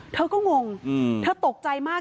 เธอก็งงเธอตกใจมาก